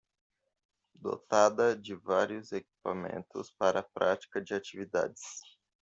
Dotada de vários equipamentos para a prática de atividades.